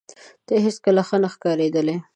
ته هیڅکله ښه نه ښکارېدلې